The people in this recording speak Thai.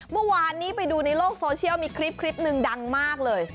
เมื่อวานนี้ไปดูในโลกโซเชียลมีคลิปหนึ่งดังมากเลย